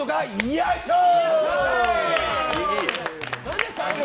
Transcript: よいしょー！